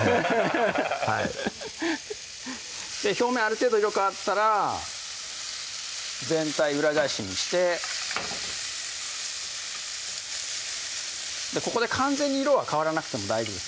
はい表面ある程度色変わったら全体裏返しにしてここで完全に色は変わらなくても大丈夫ですね